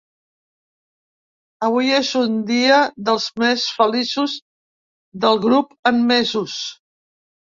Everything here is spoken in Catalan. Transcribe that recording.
Avui és un dia dels més feliços del grup en mesos.